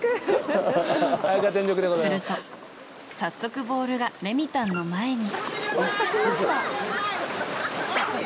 すると早速ボールがレミたんの前に。